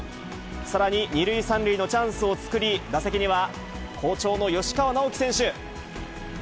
さらに２塁３塁のチャンスを作り、打席には好調の吉川尚輝選手。